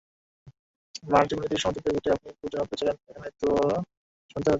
মার্চ-এপ্রিলের দিকে সমর্থকদের ভোটে আপনি খুবই জনপ্রিয় ছিলেন, এখন দুয়ো শুনতে হচ্ছে।